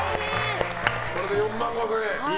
これで４万５０００円。